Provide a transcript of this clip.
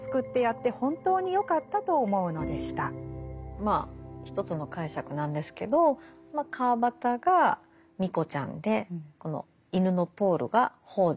まあ一つの解釈なんですけど川端がミコちゃんでこの犬のポールが北條。